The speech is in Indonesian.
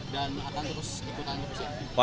dan akan terus ikutan